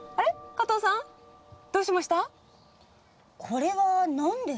加藤さん？どうしました？